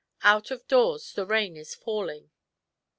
Out of doors the rain is falling.